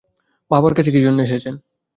বাবার কাছে কী জন্যে এসেছেন?